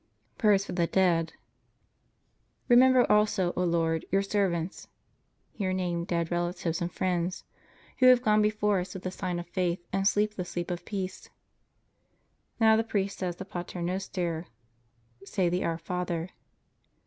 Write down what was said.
PRAYER FOR THE DEAD Remember also, O Lord, Your servants (here name dead relatives and friends) who have gone before us with the sign of faith and sleep the sleep of peace. Now the priest says the "Pater Noster." Say the "Our Father."